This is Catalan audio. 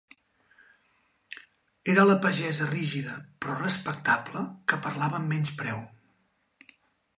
Era la pagesa rígida, però respectable que parlava amb menyspreu.